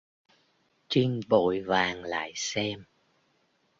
Trinh bội vàng lại xem